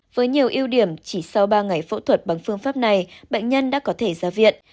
với nhiều ưu điểm chỉ sau ba ngày phẫu thuật bằng phương pháp này bệnh nhân đã có thể ra viện